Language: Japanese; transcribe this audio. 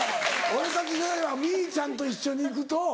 俺たち世代は未唯ｍｉｅちゃんと一緒に行くと。